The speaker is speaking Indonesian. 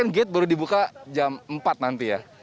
ini sudah dibuka jam empat nanti ya